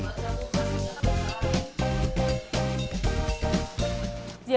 karyawan yang diperlukan adalah penggunaan karyawan